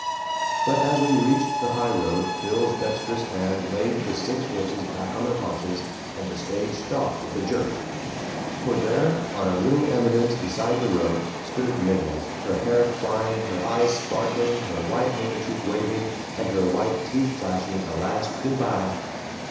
But as we reached the highroad, Bill's dexterous hand laid the six horses back on their haunches, and the stage stopped with a jerk. For there, on a little eminence beside the road, stood Miggles, her hair flying, her eyes sparkling, her white handkerchief waving, and her white teeth flashing a last "good by."